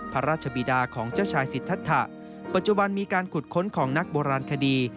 พระราชบีดาของเจ้าชายสิทธะปัจจุบันมีการขุดค้นของนักโบราณคดี